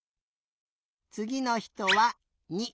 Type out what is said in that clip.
つぎのひとは２。